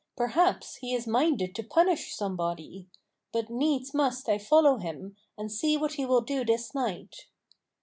Perhaps he is minded to punish some body. But needs must I follow him and see what he will do this night."